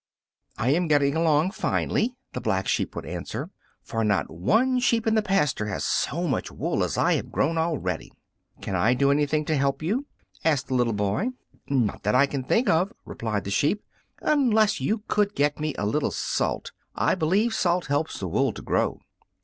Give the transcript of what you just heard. "I am getting along finely," the Black Sheep would answer, "for not one sheep in the pasture has so much wool as I have grown already." "Can I do anything to help you?" asked the little boy. "Not that I think of," replied the sheep, "unless you could get me a little salt. I believe salt helps the wool to grow."